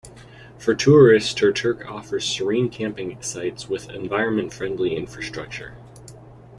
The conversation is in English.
For tourists Turtuk offers serene camping sites with environment friendly infrastructure.